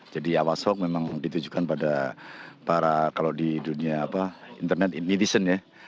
jadi awas hoax memang ditujukan pada para kalau di dunia internet indonesian ya